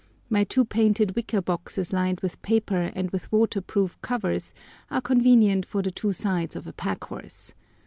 My two painted wicker boxes lined with paper and with waterproof covers are convenient for the two sides of a pack horse.